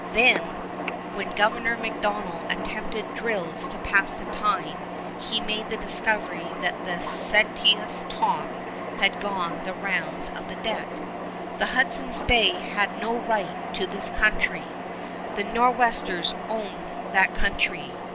Then, when Governor MacDonell attempted drills to pass the time, he made the discovery that seditious talk had gone the rounds of the deck. "The Hudson's Bay had no right to this country." "The Nor'westers owned that country."